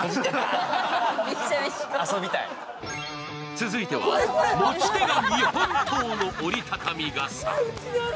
続いては、持ち手が日本刀の折り畳み傘。